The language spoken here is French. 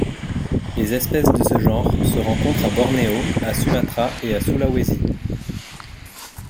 Les espèces de ce genre se rencontrent à Bornéo, à Sumatra et à Sulawesi.